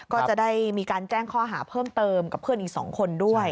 ก็จะได้มีการแจ้งข้อหาเพิ่มเติมกับเพื่อนอีก๒คนด้วย